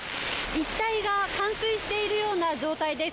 一帯が冠水しているような状態です。